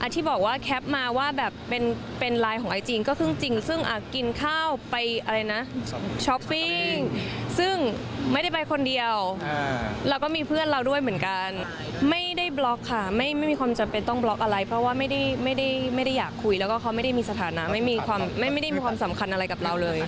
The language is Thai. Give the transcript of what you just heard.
ที่บอกว่าแคปมาว่าแบบเป็นไลน์ของไอจีก็ซึ่งจริงซึ่งกินข้าวไปอะไรนะช้อปปิ้งซึ่งไม่ได้ไปคนเดียวแล้วก็มีเพื่อนเราด้วยเหมือนกันไม่ได้บล็อกค่ะไม่มีความจำเป็นต้องบล็อกอะไรเพราะว่าไม่ได้อยากคุยแล้วก็เขาไม่ได้มีสถานะไม่มีความไม่ได้มีความสำคัญอะไรกับเราเลย